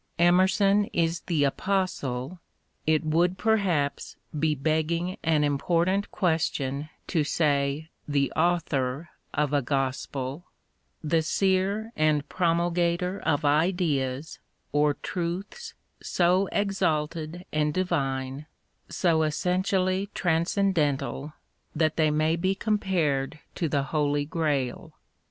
Emerson is the apostle^t would, perhaps, be begging an important question to say the author of a gospel — ^the seer and promulgator of ideas, or truths so exalted and divine, so essentially transcendental, that they may be compared to the Holy Grail.